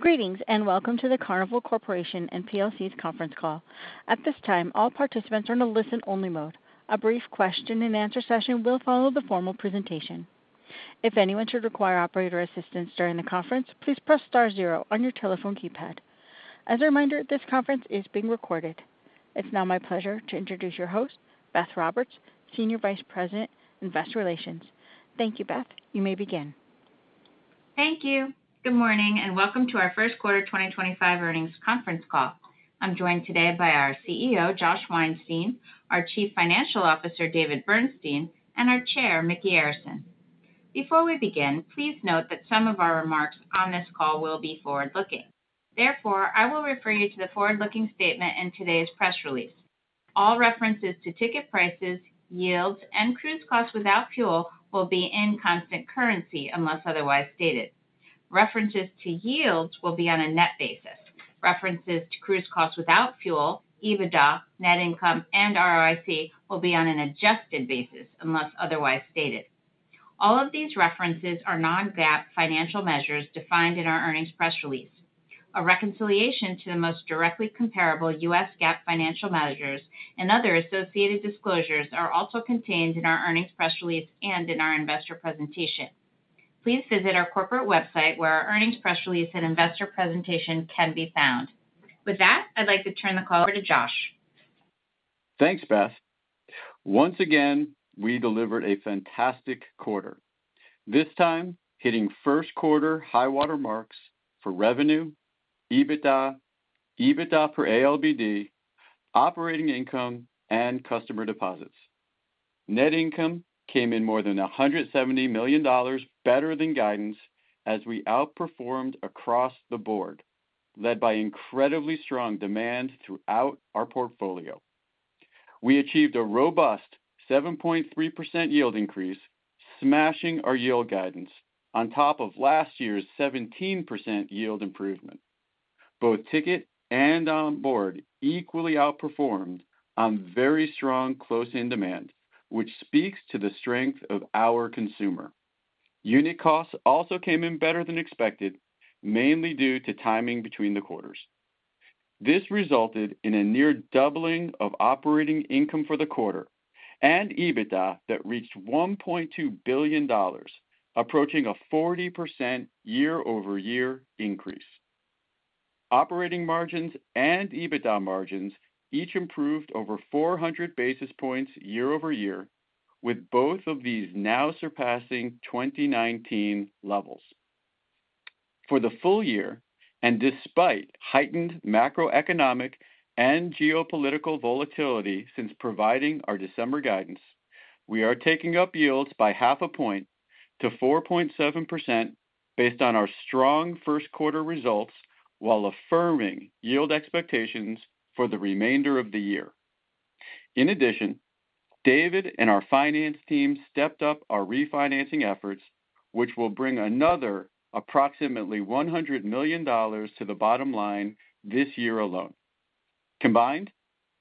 Greetings and welcome to the Carnival Corporation & plc conference call. At this time, all participants are in a listen only mode. A brief question and answer session will follow the formal presentation. If anyone should require operator assistance during the conference, please press Star 0 on your telephone keypad. As a reminder, this conference is being recorded. It is now my pleasure to introduce your host, Beth Roberts, Senior Vice President, Investor Relations. Thank you, Beth. You may begin. Thank you. Good morning and welcome to our first quarter 2025 earnings conference call. I'm joined today by our CEO Josh Weinstein, our Chief Financial Officer David Bernstein, and our Chair Micky Arison. Before we begin, please note that some of our remarks on this call will be forward looking. Therefore, I will refer you to the forward looking statement in today's press release. All references to ticket prices, yields and cruise costs without fuel will be in constant currency unless otherwise stated. References to yields will be on a net basis. References to cruise costs without fuel, EBITDA, net income and ROIC will be on an adjusted basis unless otherwise stated. All of these references are non-GAAP financial measures defined in our earnings press release. A reconciliation to the most directly comparable US GAAP financial measures and other associated disclosures are also contained in our earnings press release and in our investor presentation. Please visit our corporate website where our earnings press release and investor presentation can be found. With that, I'd like to turn the call over to Josh. Thanks Beth. Once again we delivered a fantastic quarter, this time hitting first quarter high water marks for revenue, EBITDA per ALBD, operating income, and customer deposits. Net income came in more than $170 million better than guidance as we outperformed across the board. Led by incredibly strong demand throughout our portfolio, we achieved a robust 7.3% yield increase, smashing our yield guidance on top of last year's 17% yield improvement. Both ticket and onboard equally outperformed on very strong close-in demand, which speaks to the strength of our consumer. Unit costs also came in better than expected, mainly due to timing between the quarters. This resulted in a near doubling of operating income for the quarter and EBITDA that reached $1.2 billion, approaching a 40% unit year over year increase. Operating margins and EBITDA margins each improved over 400 basis points year over year, with both of these now surpassing 2019 levels for the full year. Despite heightened macroeconomic and geopolitical volatility since providing our December guidance, we are taking up yields by half a point to 4.7% based on our strong first quarter results while affirming yield expectations for the remainder of the year. In addition, David and our finance team stepped up our refinancing efforts, which will bring another approximately $100 million to the bottom line this year alone. Combined,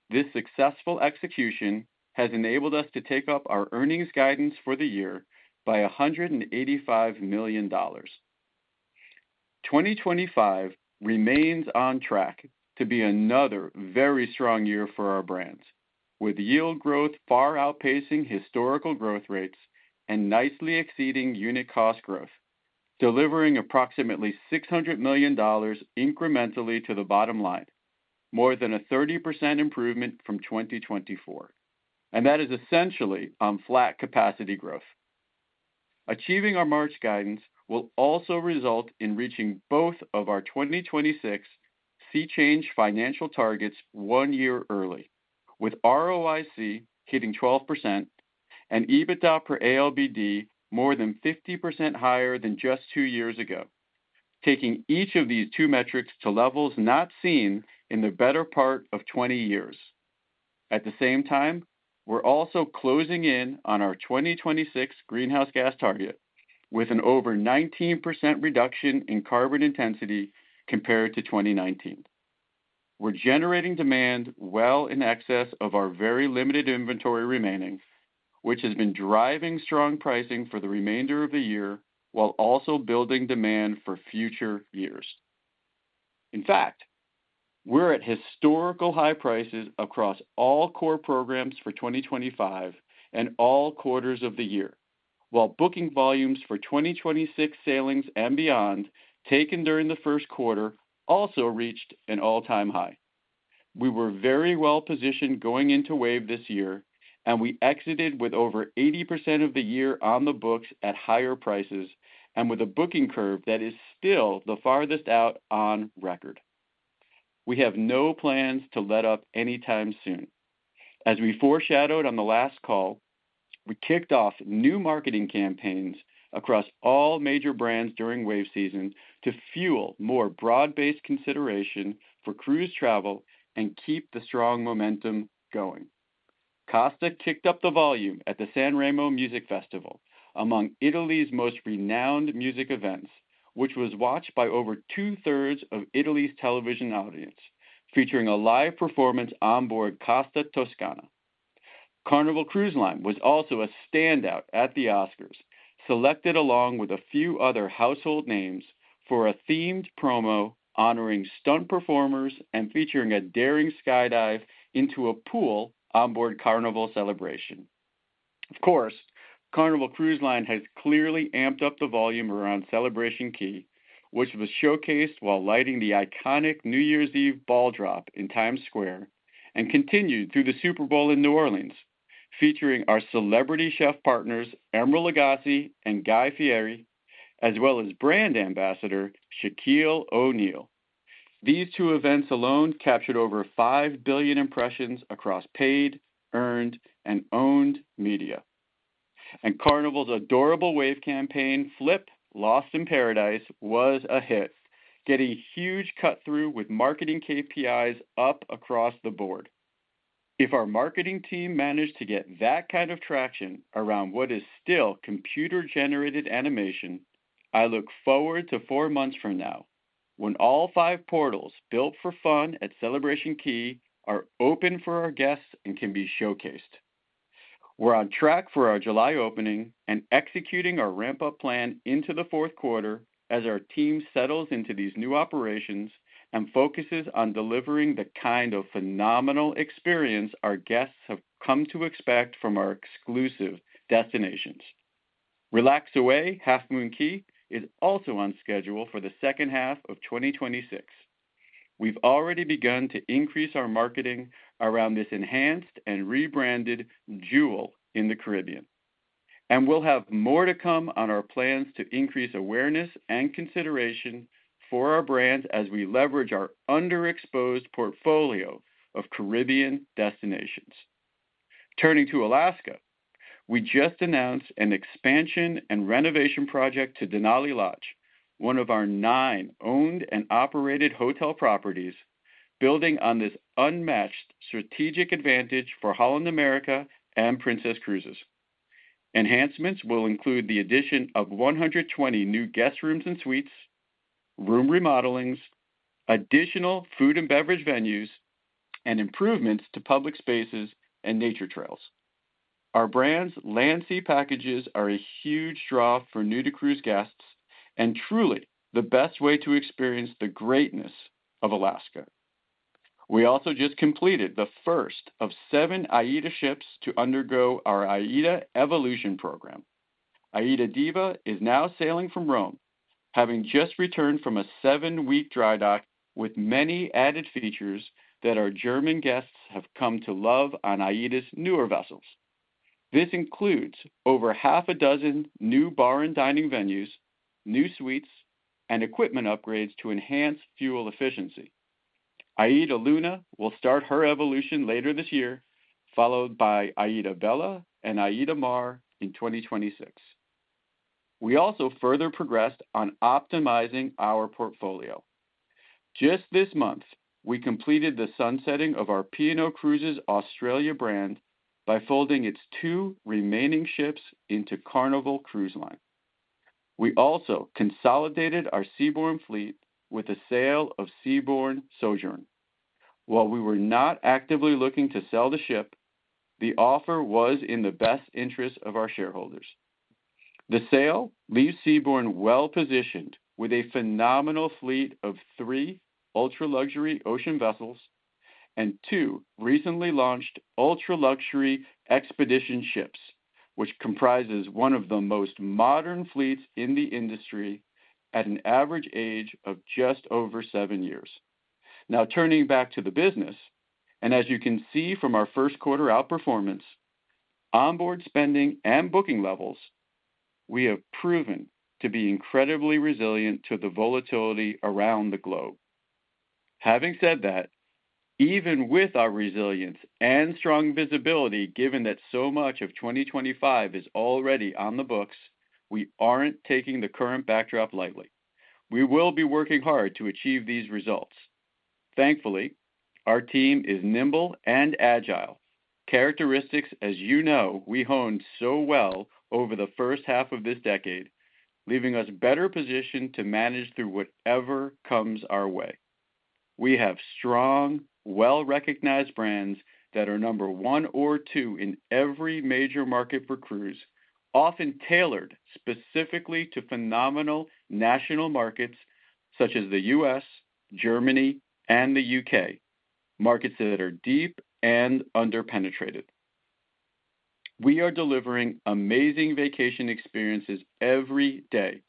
this successful execution has enabled us to take up our earnings guidance for the year by $185 million. 2025 remains on track to be another very strong year for our brands, with yield growth far outpacing historical growth rates and nicely exceeding unit cost growth, delivering approximately $600 million incrementally to the bottom line, more than a 30% improvement from 2024 and that is essentially on flat capacity growth. Achieving our March guidance will also result in reaching both of our 2026 SEA Change financial targets one year early, with ROIC hitting 12% and EBITDA per ALBD more than 50% higher than just two years ago, taking each of these two metrics to levels not seen in the better part of 20 years. At the same time, we're also closing in on our 2026 greenhouse gas target with an over 19% reduction in carbon intensity compared to 2019. We're generating demand well in excess of our very limited inventory remaining, which has been driving strong pricing for the remainder of the year while also building demand for future years. In fact, we're at historical high prices across all core programs for 2025 and all quarters of the year, while booking volumes for 2026 sailings and beyond taken during the first quarter also reached an all time high. We were very well positioned going into Wave this year and we exited with over 80% of the year on the books at higher prices and with a booking curve that is still the farthest out on record. We have no plans to let up anytime soon. As we foreshadowed on the last call, we kicked off new marketing campaigns across all major brands during wave season to fuel more broad based consideration for cruise travel and keep the strong momentum going. Costa kicked up the volume at the Sanremo Music Festival, among Italy's most renowned music events, which was watched by over two thirds of Italy's television audience. Featuring a live performance onboard Costa Toscana. Carnival Cruise Line was also a standout at the Oscars, selected along with a few other household names for a themed promo honoring stunt performers and featuring a daring skydive into a pool onboard Carnival Celebration. Of course, Carnival Cruise Line has clearly amped up the volume around Celebration Key, which was showcased while lighting the iconic New Year's Eve ball drop in Times Square and continued through the Super Bowl in New Orleans, featuring our celebrity chef partners Emeril Lagasse and Guy Fieri, as well as brand ambassador Shaquille O'Neal. These two events alone captured over 5 billion impressions across paid, earned and owned media and Carnival's adorable wave campaign Lost in Paradise was a hit, getting huge cut through with marketing KPIs up across the board. If our marketing team managed to get that kind of traction around what is still computer generated animation, I look forward to four months from now when all five portals built for fun at Celebration Key are open for our guests and can be showcased. We're on track for our July opening and executing our ramp up plan into the fourth quarter as our team settles into these new operations and focuses on delivering the kind of phenomenal experience our guests have come to expect from our exclusive destinations. Relax away. Half Moon Cay is also on schedule for the second half of 2026. We've already begun to increase our marketing around this enhanced and rebranded jewel in the Caribbean and we'll have more to come on our plans to increase awareness and consideration for our brands as we leverage our underexposed portfolio of Caribbean destinations. Turning to Alaska, we just announced an expansion and renovation project to Denali Lodge, one of our nine owned and operated hotel properties. Building on this unmatched strategic advantage for Holland America and Princess Cruises. Enhancements will include the addition of 120 new guest rooms and suites, room remodelings, additional food and beverage venues, and improvements to public spaces and nature trails. Our brand's Land+Sea Packages are a huge draw for new to cruise guests and truly the best way to experience the greatness of Alaska. We also just completed the first of seven AIDA ships to undergo our AIDA Evolution program. AIDAdiva is now sailing from Rome, having just returned from a seven week dry dock with many added features that our German guests have come to love on AIDA's newer vessels. This includes over half a dozen new bar and dining venues, new suites, and equipment upgrades to enhance fuel efficiency. AIDAluna will start her evolution later this year, followed by AIDAbella and AIDAmar in 2026. We also further progressed on optimizing our portfolio. Just this month we completed the sunsetting of our P&O Cruises Australia brand by folding its two remaining ships into Carnival Cruise Line. We also consolidated our Seabourn fleet with a sale of Seabourn Sojourn. While we were not actively looking to sell the ship, the offer was in the best interest of our shareholders. The sale leaves Seabourn well positioned with a phenomenal fleet of three ultra luxury ocean vessels and two recently launched ultra luxury expedition ships which comprises one of the most modern fleets in the industry at an average age of just over seven years. Now turning back to the business and as you can see from our first quarter outperformance, onboard spending and booking levels, we have proven to be incredibly resilient to the volatility around the globe. Having said that, even with our resilience and strong visibility, given that so much of 2025 is already on the books, we aren't taking the current backdrop lightly. We will be working hard to achieve these results. Thankfully our team is nimble and agile characteristics, as you know, we honed so well over the first half of this decade, leaving us better positioned to manage through whatever comes our way. We have strong, well recognized brands that are number one or two in every major market for cruise, often tailored specifically to phenomenal national markets such as the U.S., Germany and the U.K., markets that are deep and underpenetrated. We are delivering amazing vacation experiences every day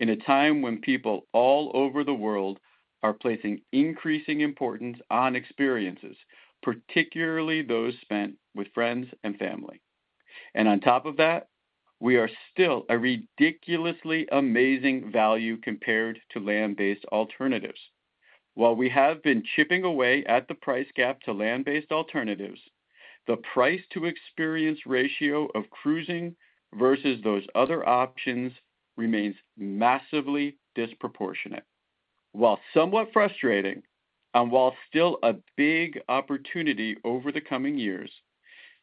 in a time when people all over the world are placing increasing importance on experiences, particularly those spent with friends and family. On top of that, we are still a ridiculously amazing value compared to land based alternatives. While we have been chipping away at the price gap to land based alternatives, the price to experience ratio of cruising versus those other options remains massively disproportionate. While somewhat frustrating and while still a big opportunity over the coming years,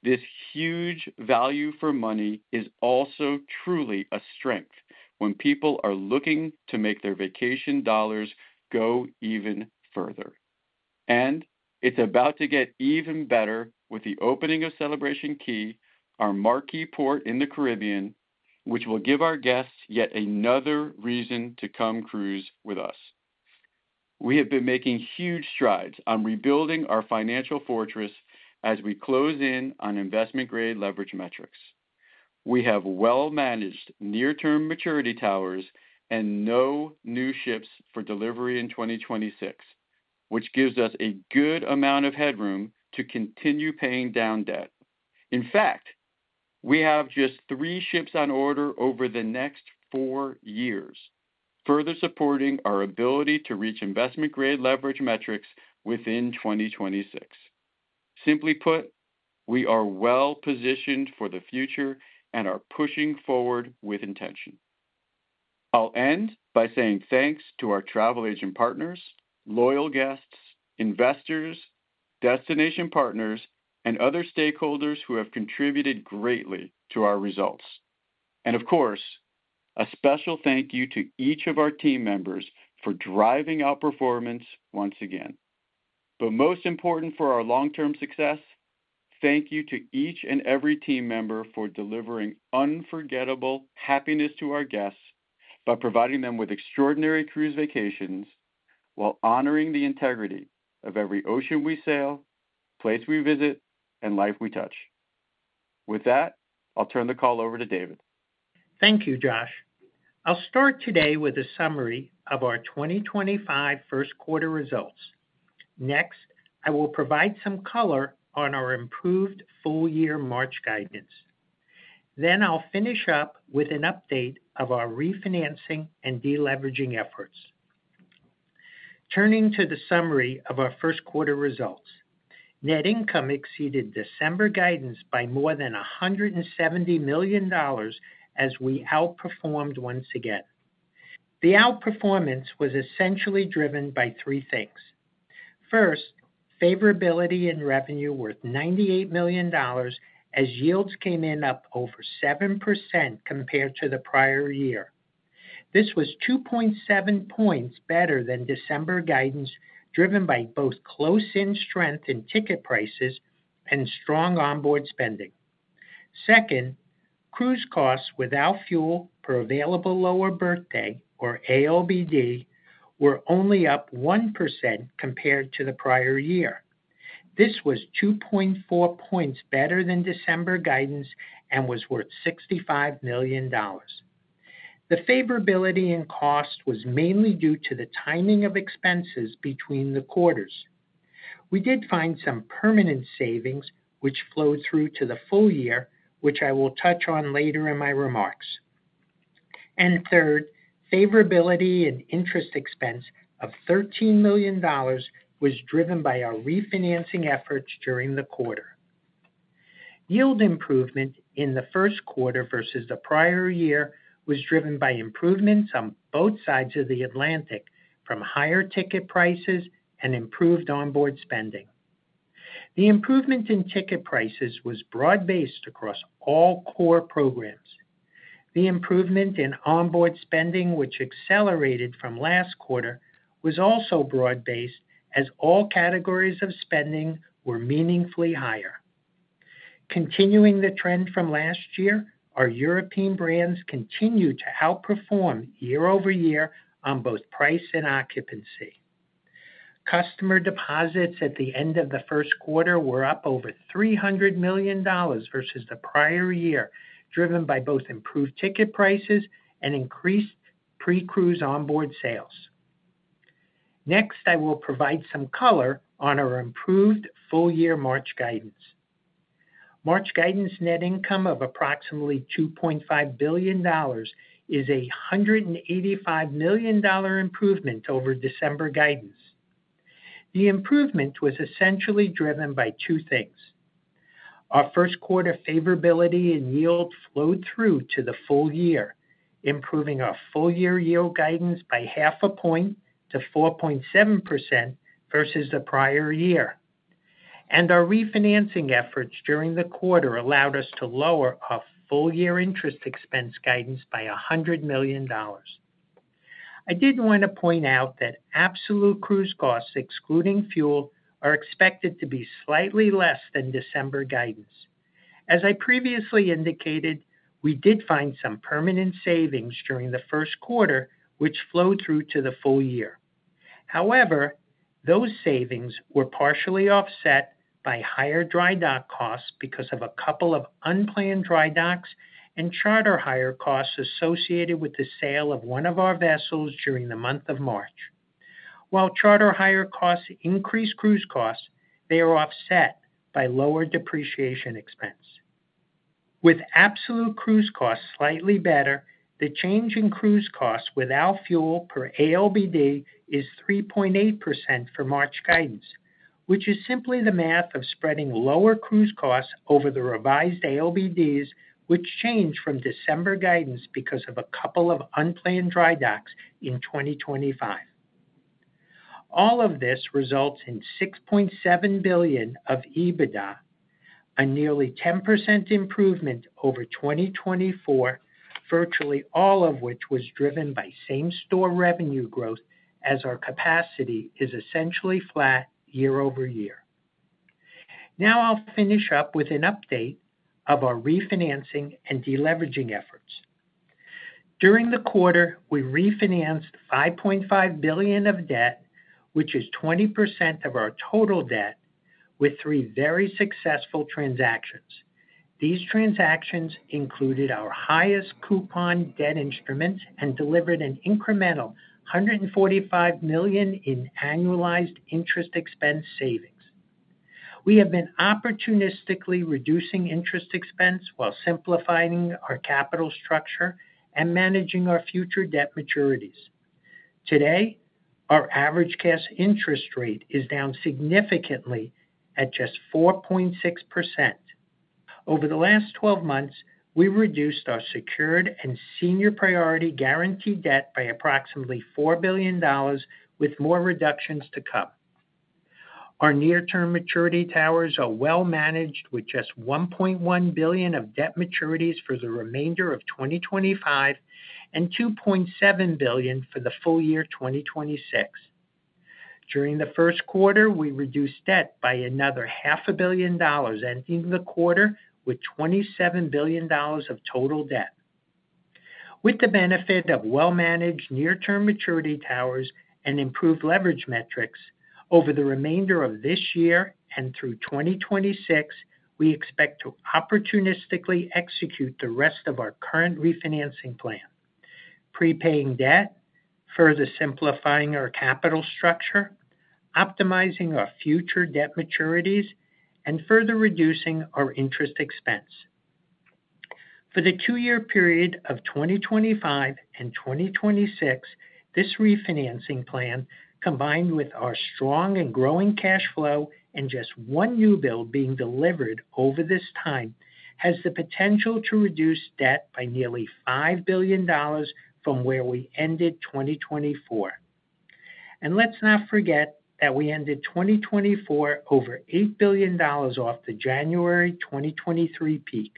this huge value for money is also truly a strength when people are looking to make their vacation dollars go even further. It's about to get even better. With the opening of Celebration Key, our marquee port in the Caribbean, which will give our guests yet another reason to come cruise with us. We have been making huge strides on rebuilding our financial fortress as we close in on investment grade leverage metrics. We have well managed near term maturity towers and no new ships for delivery in 2026, which gives us a good amount of headroom to continue paying down debt. In fact, we have just three ships on order over the next four years, further supporting our ability to reach investment grade leverage metrics within 2026. Simply put, we are well positioned for the future and are pushing forward with intention. I'll end by saying thanks to our travel agent partners, loyal guests, investors, destination partners and other stakeholders who have contributed greatly to our results. Of course a special thank you to each of our team members for driving outperformance once again, but most important for our long term success. Thank you to each and every team member for delivering unforgettable happiness to our guests by providing them with extraordinary cruise vacations while honoring the integrity of every ocean we sail, place we visit, and life we touch. With that, I'll turn the call over to David. Thank you, Josh. I'll start today with a summary of our 2025 first quarter results. Next, I will provide some color on our improved full year March guidance. I will finish up with an update of our refinancing and deleveraging efforts. Turning to the summary of our first quarter results, net income exceeded December guidance by more than $170 million as we outperformed once again. The outperformance was essentially driven by three things. First, favorability in revenue worth $98 million as yields came in up over 7% compared to the prior year. This was 2.7 percentage points better than December guidance driven by both close in strength in ticket prices and strong onboard spending. Second, cruise costs without fuel per available lower berth day or ALBD were only up 1% compared to the prior year. This was 2.4 percentage points better than December guidance and was worth $65 million. The favorability in cost was mainly due to the timing of expenses between the quarters. We did find some permanent savings for which flowed through to the full year, which I will touch on later in my remarks. Third, favorability in interest expense of $13 million was driven by our refinancing efforts during the quarter. Yield improvement in the first quarter versus the prior year was driven by improvements on both sides of the Atlantic from higher ticket prices and improved onboard spending. The improvement in ticket prices was broad based across all core programs. The improvement in onboard spending, which accelerated from last quarter, was also broad based as all categories of spending were meaningfully higher. Continuing the trend from last year, our European brands continue to outperform year over year on both price and occupancy. Customer deposits at the end of the first quarter were up over $300 million versus the prior year driven by both improved ticket prices and increased pre cruise onboard sales. Next I will provide some color on our improved full year March guidance. March guidance net income of approximately $2.5 billion is a $185 million improvement over December guidance. The improvement was essentially driven by two things. Our first quarter favorability in yield flowed through to the full year, improving our full year yield guidance by half a point to 4.7% versus the prior year. Our refinancing efforts during the quarter allowed us to lower our full year interest expense guidance by $100 million. I did want to point out that absolute cruise costs, excluding fuel, are expected to be slightly less than December guidance. As I previously indicated, we did find some permanent savings during the first quarter which flowed through to the full year. However, those savings were partially offset by higher dry dock costs because of a couple of unplanned dry docks and charter hire costs associated with the sale of one of our vessels during the month of March. While charter hire costs increase cruise costs, they are offset by lower depreciation expense with absolute cruise costs slightly better. The change in cruise costs without fuel per ALBD is 3.8% for March guidance, which is simply the math of spreading lower cruise costs over the revised ALBDs, which changed from December guidance because of a couple of unplanned dry docks in 2025. All of this results in $6.7 billion of EBITDA, a nearly 10% improvement over 2024, virtually all of which was driven by same store revenue growth as our capacity is essentially flat year over year. Now I'll finish up with an update of our refinancing and deleveraging efforts. During the quarter we refinanced $5.5 billion of debt, which is 20% of our total debt with three very successful transactions. These transactions included our highest coupon debt instruments and delivered an incremental $145 million in annualized interest expense savings. We have been opportunistically reducing interest expense while simplifying our capital structure and managing our future debt maturities. Today our average cash interest rate is down significantly at just 4.6% over the last 12 months. We reduced our secured and senior priority guaranteed debt by approximately $4 billion with more reductions to come. Our near term maturity towers are well managed with just $1.1 billion of debt maturities for the remainder of 2025 and $2.7 billion for the full year 2026. During the first quarter we reduced debt by another $500,000,000, ending the quarter with $27 billion of total debt. With the benefit of well managed near term maturity towers and improved leverage metrics over the remainder of this year and through 2026, we expect to opportunistically execute the rest of our current refinancing plan prepaying debt, further simplifying our capital structure, optimizing our future debt maturities and further reducing our interest expense for the two year period of 2025 and 2026. This refinancing plan combined with our strong and growing cash flow and just one new build being delivered over this time has the potential to reduce debt by nearly $5 billion from where we ended 2024. Let's not forget that we ended 2024 over $8 billion off the January 2023 peak.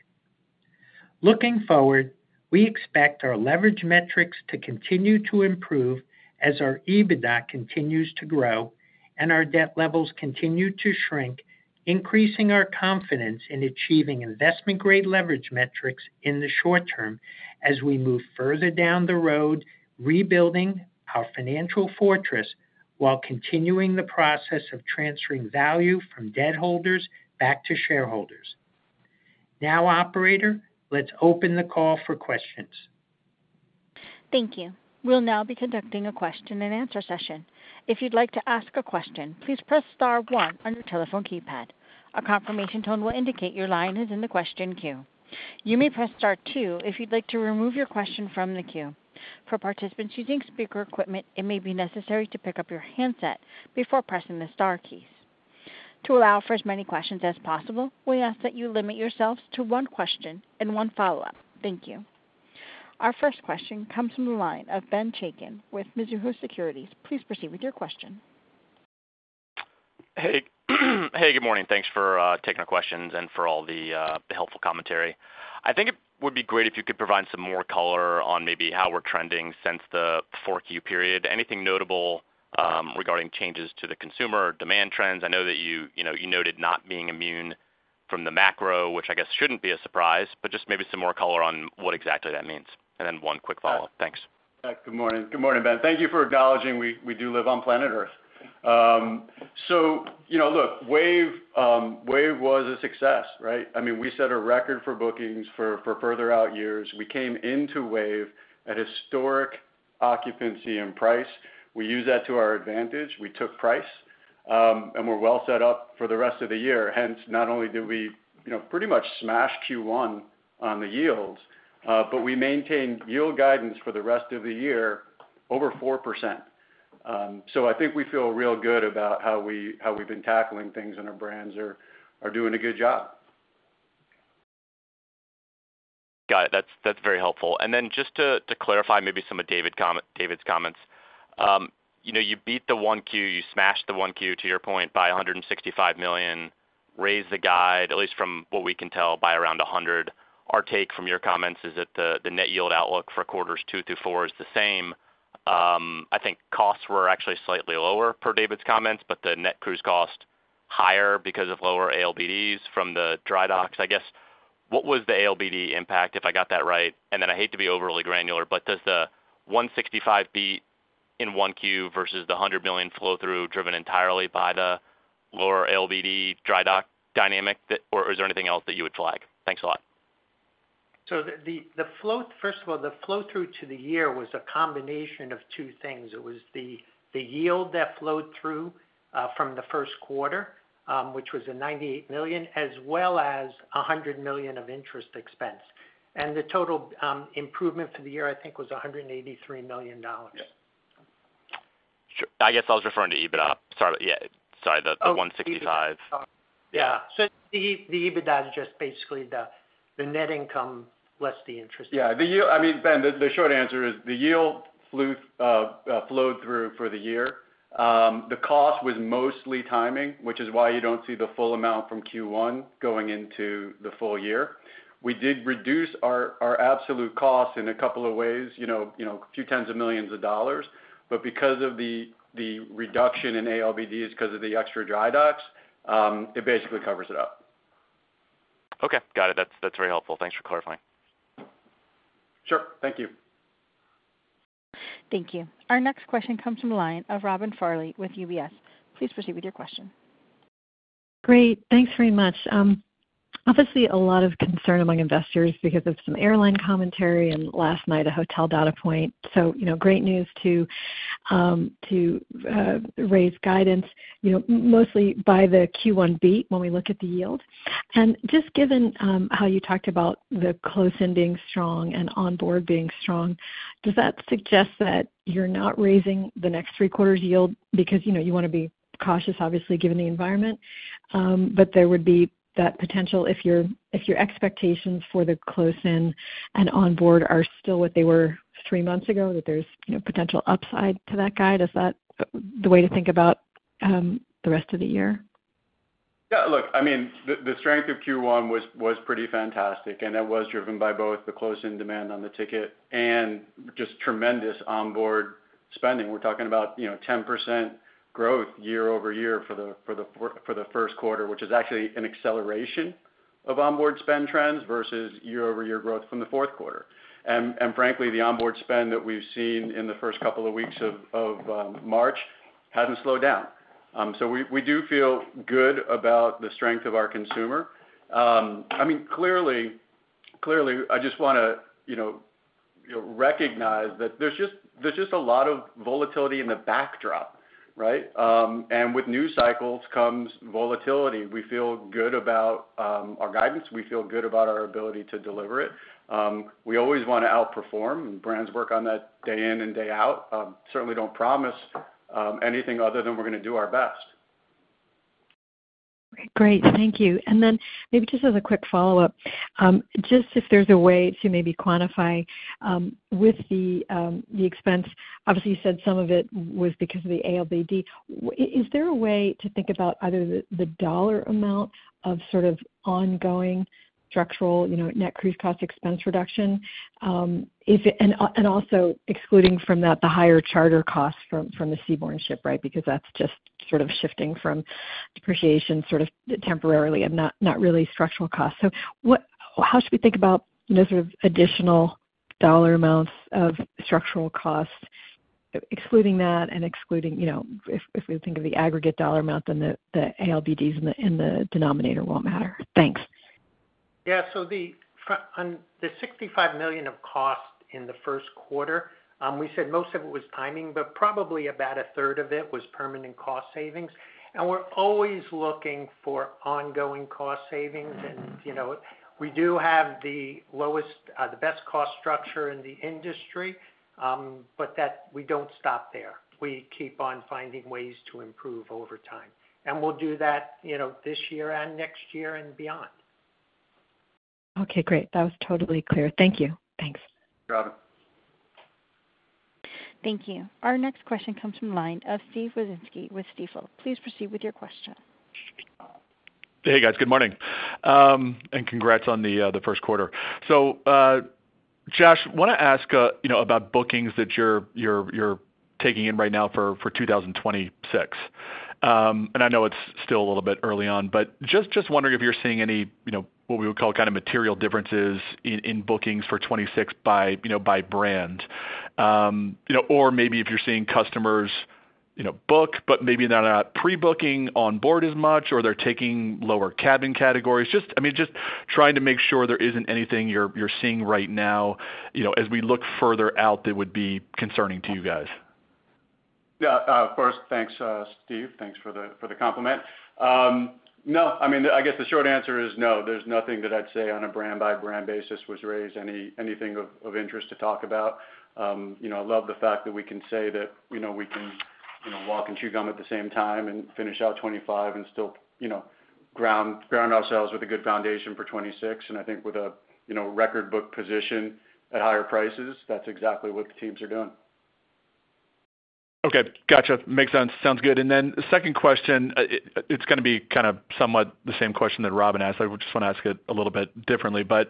Looking forward, we expect our leverage metrics to continue to improve as our EBITDA continues to grow and our debt levels continue to shrink, increasing our confidence in achieving investment grade leverage metrics in the short term as we move further down the road, rebuilding our financial fortress while continuing the process of transferring value from debt holders back to shareholders. Now, Operator, let's open the call for questions. Thank you. We'll now be conducting a question and answer session. If you'd like to ask a question, please press star one on your telephone keypad. A confirmation tone will indicate your line is in the question queue. You may press star two if you'd like to remove your question from the queue. For participants using speaker equipment, it may be necessary to pick up your handset before pressing the star key. To allow for as many questions as possible, we ask that you limit yourselves to one question and one follow up. Thank you. Our first question comes from the line of Ben Chaiken with Mizuho Securities. Please proceed with your question. Hey hey. Good morning. Thanks for taking our questions and for all the helpful commentary. I think it would be great if you could provide some more color on maybe how we're trending since the 4Q period. Anything notable regarding changes to the consumer demand trends. I know that you noted not being immune from the macro, which I guess shouldn't be a surprise, but just maybe some more color on what exactly that means. And then one quick follow up. Thanks. Good morning Ben. Thank you for acknowledging we do live on planet Earth. Look, Wave was a success. We set a record for bookings for further out years. We came into Wave at historic occupancy and price. We use that to our advantage. We took price and we're well set up for the rest of the year. Hence, not only did we pretty much smash Q1 on the yields, but we maintained yield guidance for the rest of the year over 4%. I think we feel real good about how we've been tackling things and our brands are doing a good job. Got it. That's very helpful. Just to clarify, maybe some of David's comments. You beat the 1Q? You smashed the 1Q to your point by $165 million, raised the guide, at least from what we can tell by around $100 million. Our take from your comments is that the net yield outlook for quarters 2 through 4 is the same. I think costs were actually slightly lower per David's comments, but the net cruise cost higher because of lower ALBDs from the dry docks, I guess. What was the ALBD impact, if I got that right? I hate to be overly granular, but does the $165 million beat in 1Q versus the $100 million flow through driven entirely by the lower ALBD dry dock dynamic? Or is there anything else that you would flag? Thanks a lot. The flow, first of all. The flow through to the year was a combination of two things. It was the yield that flowed through from the first quarter, which was $98 million as well as $100 million of interest expense. The total improvement for the year I think was $183 million. I guess I was referring to EBITDA. Sorry -- yeah. Sorry the 165 Yeah. So the EBITDA is just basically the net income, less the interest. Yeah. I mean, Ben, the short answer is the yield flowed through for the year. The cost was mostly timing, which is why you do not see the full amount from Q1 going into the full year. We did reduce our absolute costs in a couple of ways, you know, a few tens of millions of dollars. Because of the reduction in ALBDs because of the extra dry docks, it basically covers it up. Okay, got it. That is very helpful. Thanks for clarifying. Sure. Thank. Thank you. Our next question comes from the line of Robin Farley with UBS. Please proceed with your question. Great, thanks very much. Obviously a lot of concern among investors because of some airline commentary and last night a hotel data point. Great news to raise guidance mostly by the Q1 beat when we look at the yield. And just given how you talked about the close in being strong and onboard being strong, does that suggest that you're not raising the next 3/4 yield? Because you know, you want to be cautious obviously given the environment. There would be that potential, if your expectations for the close in and onboard are still what they were three months ago, that there's potential upside to that guide. Is that the way to think about the rest of the year. Yeah, look, I mean the strength of Q1 was pretty fantastic and it was driven by both the close-in demand on the ticket and just tremendous onboard spending. We're talking about 10% growth year over year for the first quarter, which is actually an acceleration of onboard spend trends versus year over year growth from the fourth quarter. Frankly, the onboard spend that we've seen in the first couple of weeks of March hasn't slowed down. We do feel good about the strength of our consumer. I mean clearly, clearly. I just want to recognize that there's just a lot of volatility in the backdrop. Right. With news cycles comes volatility. We feel good about our guidance, we feel good about our ability to deliver it. We always want to outperform. Brands work on that day in and day out. Certainly don't promise anything other than we're going to do our best. Great, thank you. And then maybe just as a quick follow up, just if there's a way to maybe quantify with the expense, obviously you said some of it was because of the ALBD. Is there a way to think about either the dollar amount of sort of ongoing structural net cruise cost expense reduction and also excluding from that the higher charter costs from the Seabourn ship, right, because that's just sort of shifting from depreciation, sort of temporary, not really structural costs. So how should we think about additional dollar amounts of structural costs? Excluding that and excluding, if we think of the aggregate dollar amount, then the ALBDs in the denominator won't matter. Thanks. Yeah, so the $65 million of cost in the first quarter, we said most of it was timing, but probably about a third of it was permanent cost savings. And we're always looking for ongoing cost savings. And you know, we do have the lowest, the best cost structure in the industry. But that we don't stop there. We keep on finding ways to improve over time and we'll do that, you know, this year and next year and beyond. Okay, great. That was totally clear. Thank you. Thanks. Thank you, Robin Thank you. Our next question comes from the line of Steve Wieczynski with Stifel. Please proceed with your question. Hey guys, good morning and congrats on the first quarter. Josh, I want to ask about bookings that you're taking in right now for 2026. I know it's still a little bit early on, but just wondering if you're seeing any what we would call material differences in bookings for 26 by brand. Or maybe if you're see customers book but maybe they're not pre booking on board as much or they're taking lower cabin categories. Just trying to make sure there isn't anything you're seeing right now as we look further out that would be concerning to you guys first. Thanks Steve. Thanks for the compliment. No, I guess the short answer is no. There's nothing that I'd say on a brand by brand basis was raised. Anything of interest to talk about? You know, I love the fact that we can say that, you know, we can, you know, walk and chew gum at the same time and finish out 2025 and still, you know, ground ourselves with a good foundation for 2026. I think with a, you know, record book position at higher prices, that's exactly what the teams are doing. Okay, gotcha. Makes sense. Sounds good. The second question, it's going to be kind of somewhat the same question that Robin asked. I just want to ask it a little bit differently but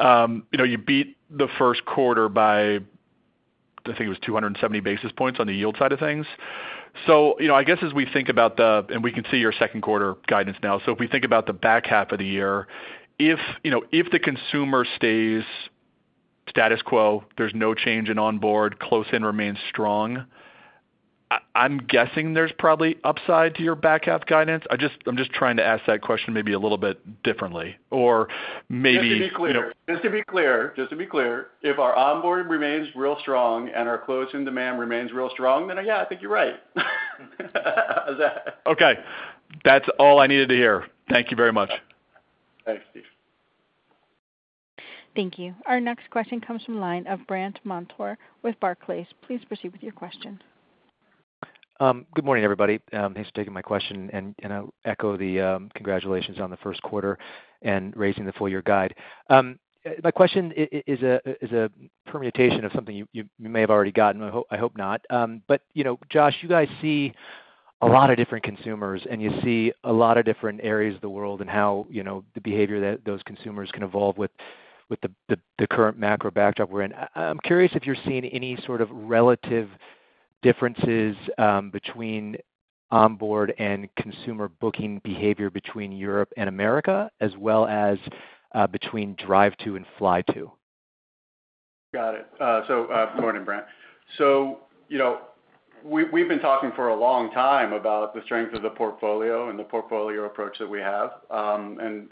you know, you beat the first quarter by I think it was 270 basis points on the yield side of things. I guess as we think about the and we can see your second quarter guidance now, if we think about the back half of the year, if the consumer stays status quo, there's no change in onboard close in remains strong, I'm guessing there's probably upside to your back half guidance. I'm just trying to ask that question maybe a little bit differently or maybe-- just to be clear, if our onboard remains real strong and our close-in demand remains real strong, then yeah, I think you're right. Okay, that's all I needed to hear. Thank you very much. Thanks. Steve. Thank you. Our next question comes from the line of Brandt Montour with Barclays. Please proceed with your question. Good morning everybody. Thanks for taking my question. I echo the congratulations on the first quarter and raising the full year guide. My question is a permutation of something you may have already gotten. I hope not. Josh, you guys see a lot of different consumers and you see a lot of different areas of the world and how the behavior that those consumers can evolve with the current macro backdrop we're in. I'm curious if you're seeing any sort of relative differences between onboard and consumer booking behavior between Europe and America as well as between drive to and fly to. Got it. Morning, Brandt. You know, we've been talking for a long time about the strength of the portfolio and the portfolio approach that we have and,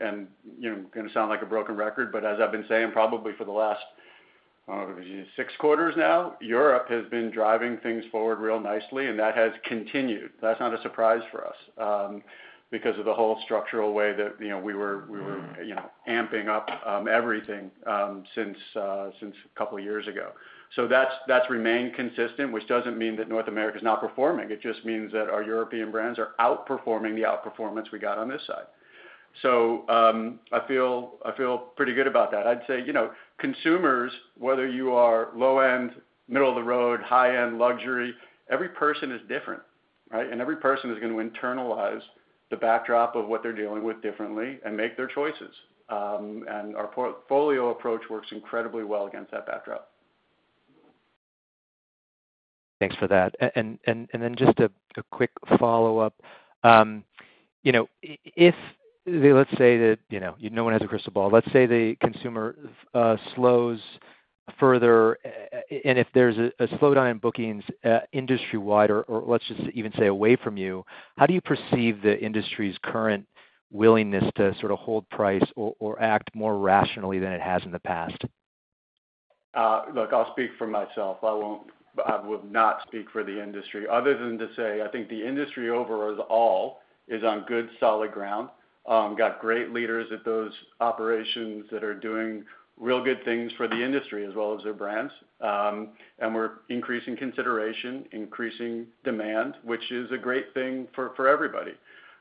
you know, going to sound like a broken record, but as I've been saying probably for the last six quarters now, Europe has been driving things forward real nicely and that has continued. That's not a surprise for us because of the whole structural way that, you know, we were, you know, amping up everything since a couple years ago. That has remained consistent, which does not mean that North America is not performing. It just means that our European brands are outperforming the outperformance we got on this side, so I feel pretty good about that. I'd say consumers, whether you are low end, middle of the road, high end luxury, every person is different and every person is going to internalize the backdrop of what they're dealing with differently and make their choices. Our portfolio approach works incredibly well against that backdrop. Thanks for that. Just a quick follow up. If let's say that no one has a crystal ball, let's say the consumer slows further and if there's a slowdown in bookings industry wide, or let's just even say away from you, how do you perceive the industry's current willingness to sort of hold price or act more rationally than it has in the past? Look, I'll speak for myself, I would not speak for the industry other than to say I think the industry overall is on good, solid ground. Got great leaders at those operations that are doing real good things for the industry as well as their brands. We're increasing consideration, increasing demand, which is a great thing for everybody.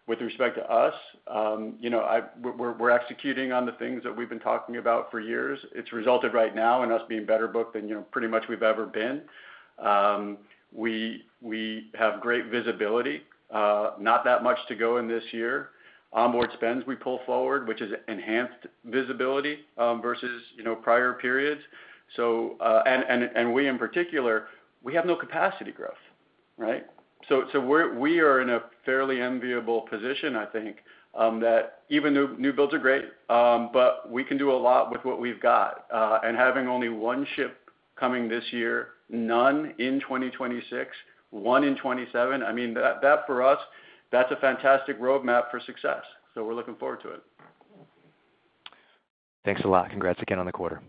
With respect to us, you know, we're executing on the things that we've been talking about for years. It's resulted right now in us being better booked than, you know, pretty much we've ever been. We have great visibility, not that much to go in this year. Onboard spends, we pull forward, which is enhanced visibility versus, you know, prior periods. In particular, we have no capacity growth. Right. We are in a fairly enviable position. I think that even new builds are great, but we can do a lot with what we've got. Having only one ship coming this year, none in 2026, one in 2027. I mean that for us that's a fantastic roadmap for success. We're looking forward to it. Thanks a lot. Congrats again on the quarter.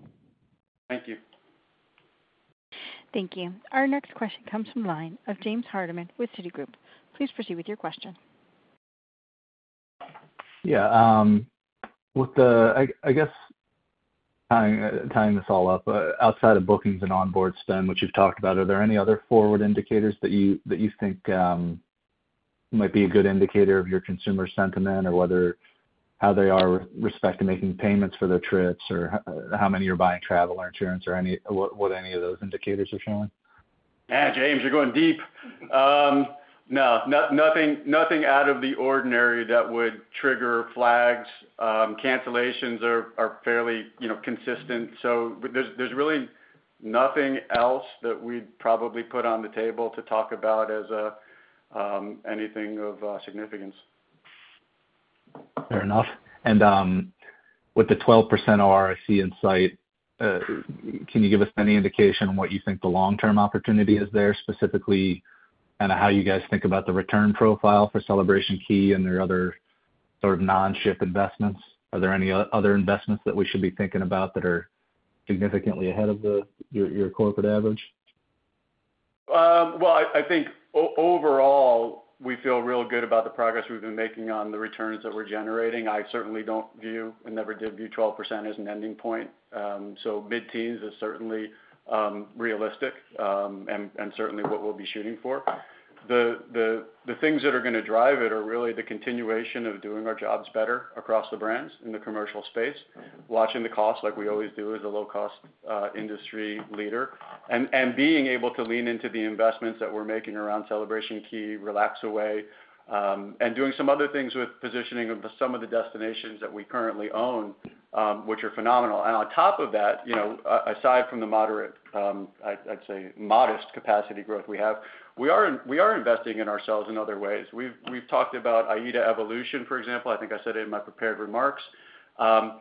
Thank you. Thank you. Our next question comes from the line of James Hardiman with Citi. Please proceed with your question. Yeah, with the, I guess tying this all up, outside of bookings and onboard spend which you've talked about, are there any other forward indicators that you think might be a good indicator of your consumer sentiment or whether how they are with respect to making payments for their trips or how many are buying travel or insurance or what any of those indicators are showing? James, you're going deep. No, nothing out of the ordinary that would trigger flags. Cancellations are fairly consistent. So there's really nothing else that we'd probably put on the table to talk about as anything of significance. Fair enough. With the 12% ROIC in sight, can you give us any indication on what you think the long term opportunity is there, specifically how you guys think about the return profile for Celebration Key and their other sort of non ship investments? Are there any other investments that we should be thinking about that are significantly ahead of your corporate average? I think overall we feel real good about the progress we've been making on the returns that we're generating. I certainly don't view and never did view 12% as an ending point. Mid teens is certainly realistic and certainly what we'll be shooting for. The things that are going to drive it are really the continuation of doing our jobs better across the brands in the commercial space, watching the cost like we always do as a low cost industry leader and being able to lean into the investments that we're making around Celebration Key, Relax Away and doing some other things with positioning of some of the destinations that we currently own, which are phenomenal. On top of that, you know, aside from the moderate, I'd say modest capacity growth we have, we are investing in ourselves in other ways. We've talked about AIDA Evolution, for example. I think I said it in my prepared remarks,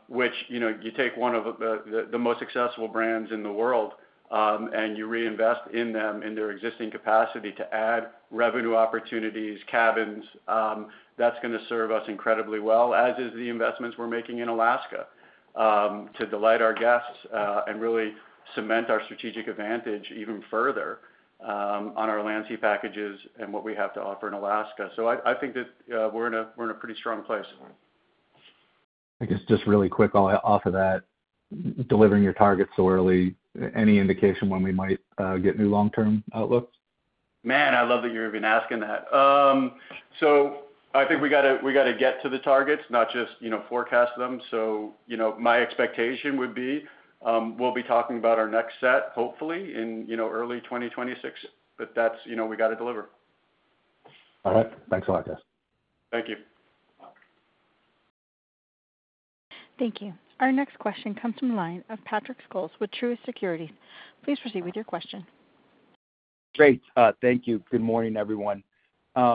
which, you know, you take one of the most successful brands in the world and you reinvest in them in their existing capacity to add revenue opportunities, cabins, that's going to serve us incredibly well, as is the investments we're making in Alaska to delight our guests and really cement our strategic advantage even further on our Landsea packages and what we have to offer in Alaska. I think that we're in a pretty strong place. I guess just really quick off of that, delivering your targets so early. Any indication when we might get new long term outlook? Man, I love that you're even asking that. I think we got to get to the targets, not just forecast them. My expectation would be we'll be talking about our next set hopefully in early 2026. That's, you know, we got to deliver. All right, thanks a lot guys. Thank you. Thank you. Our next question comes from the line of Patrick Scholes with Truist Securities. Please proceed with your question. Great, thank you. Good morning everyone. I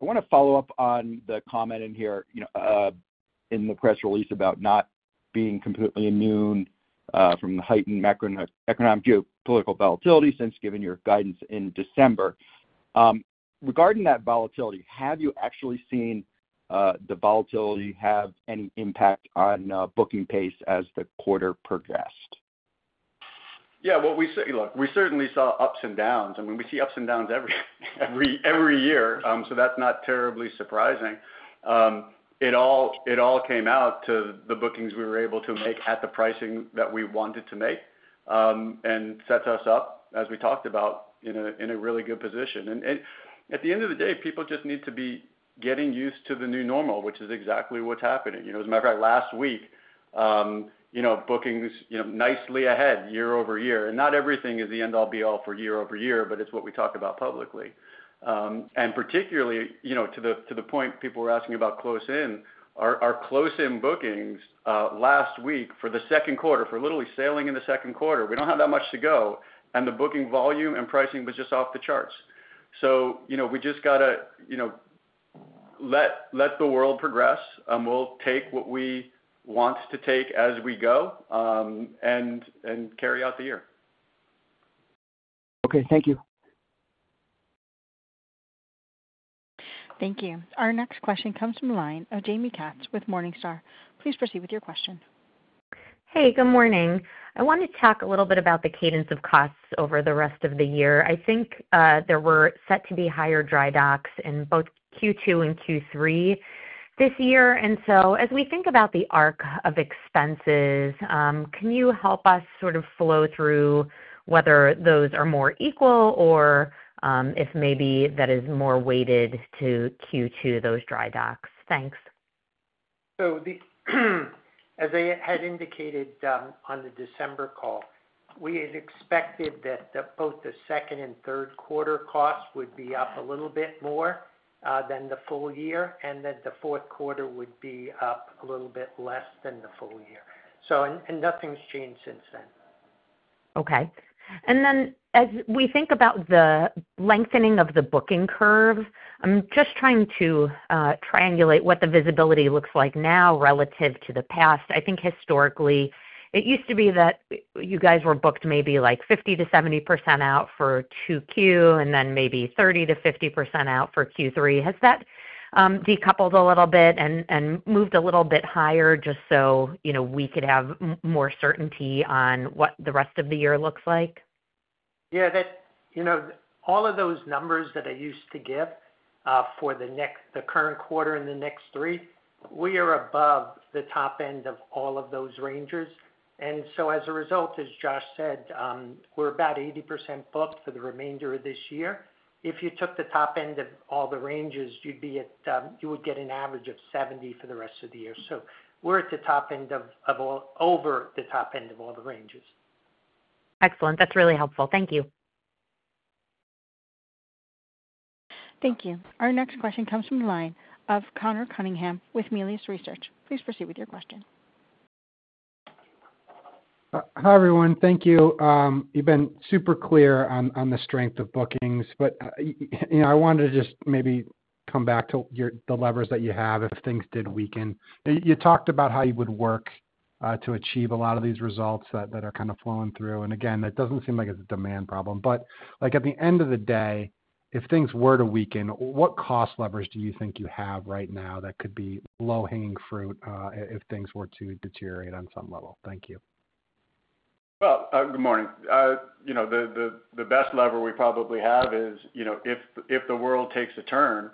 want to follow up on the comment in here in the press release about not being completely immune from the heightened economic view, political volatility. Since given your guidance in December regarding that volatility, have you actually seen the volatility have any impact on booking pace as the quarter progressed? Yeah, we certainly saw ups and downs. I mean we see ups and downs every year. That is not terribly surprising. It all came out to the bookings we were able to make at the pricing that we wanted to, to make and sets us up, as we talked about, in a really good position. At the end of the day, people just need to be getting used to the new normal, which is exactly what is happening. As a matter of fact, last week, bookings nicely ahead year over year. Not everything is the end all be all for year over year, but it's what we talk about publicly and particularly to the point people were asking about close in, our close in bookings last week for the second quarter, for literally sailing in the second quarter, we don't have that much to go, and the booking volume and pricing was just off the charts. You know, we just got to, you know, let the world progress and we'll take what we want to take as we go and carry out the year. Okay, thank you. Thank you. Our next question comes from the line of Jaime Katz with Morningstar. Please proceed with your question. Hey, good morning. I want to talk a little bit about the cadence of costs over the rest of the year. I think there were set to be higher dry docks in both Q2 and Q3 this year. As we think about the arc of expenses, can you help us sort of flow through whether those are more equal or if maybe that is more weighted to Q2, those dry docks. Thanks. As I had indicated on the December call, we had expected that both the second and third quarter costs would be up a little bit more than the full year and that the fourth quarter would be up a little bit less than the full year. Nothing's changed since then. Okay. As we think about the lengthening of the booking curve, I'm just trying to triangulate what the visibility looks like now. Right. Relative to the past. I think historically it used to be that you guys were booked maybe like 50-70% out for 2Q and then maybe 30-50% out for Q3. Has that decoupled a little bit and moved a little bit higher just so we could have more certainty on what the rest of the year looks like? Yeah, all of those numbers that I used to give for the next, the current quarter and the next three, we are above the top end of all of those ranges. As a result, as Josh said, we're about 80% booked for the remainder of this year. If you took the top end of all the ranges, you would get an average of 70% for the rest of the year. We're at the top end of, over the top end of all the ranges. Excellent. That's really helpful. Thank you. Thank you. Our next question comes from the line of Conor Cunningham with Melius Research. Please proceed with your question. Hi everyone. Thank you. You've been super clear on the strength of bookings, but I wanted to just maybe come back to the levers that you have if things did weaken. You talked about how you would work to achieve a lot of these results that are kind of flowing through. Again, that doesn't seem like it's a demand problem. At the end of the day, if things were to weaken, what cost levers do you think you have right now that could be low hanging fruit? If things were to deteriorate on some level. Thank you. Good morning. The best lever we probably have is if the world takes a turn.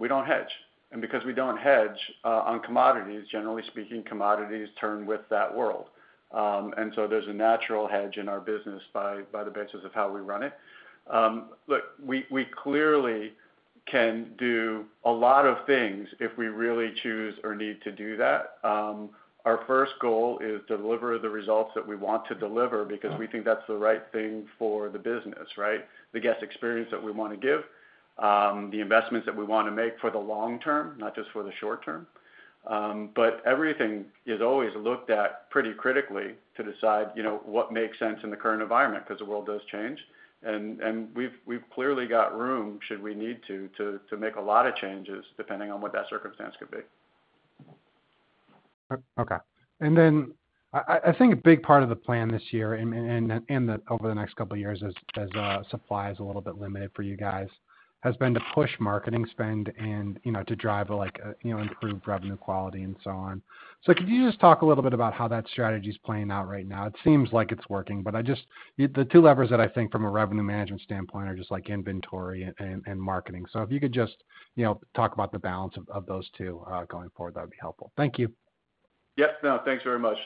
We do not hedge. Because we do not hedge on commodities, generally speaking, commodities turn with that world. There is a natural hedge in our business by the basis of how we run it. Look, we clearly can do a lot of things if we really choose or need to do that. Our first goal is to deliver the results that we want to deliver because we think that's the right thing for the business. Right. The guest experience that we want to give, the investments that we want to make for the long term, not just for the short term. Everything is always looked at pretty critically to decide what makes sense in the current environment. Because the world does change and we've clearly got room should we need to make a lot of changes depending on what that circumstance could be. Okay. I think a big part of the plan this year over the next couple years, as supply is a little bit limited for you guys, has been to push marketing spend and to drive improved revenue, quality and so on. Could you just talk a little bit about how that strategy is playing out? Right now it seems like it's working, but I just. The two levers that I think from a revenue management standpoint are just like inventory and marketing. If you could just talk about the balance of those two going forward, that would be helpful. Thank you. Yes, thanks very much.